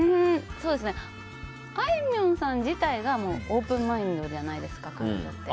あいみょんさん自体がオープンマインドじゃないですか。